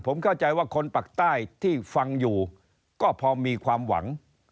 ผมเข้าใจว่าคนปากใต้ที่ฟังอยู่ก็พอมีความหวัง